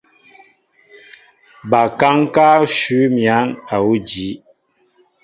Ba kaŋ ká nshu miǝn awuŭ àjii.